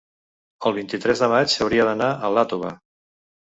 El vint-i-tres de maig hauria d'anar a Iàtova.